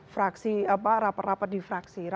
fraksi apa raper raper difraksi